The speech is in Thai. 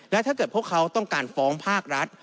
และถ้าเกิดพวกเขาต้องการฟ้องภาครัฐ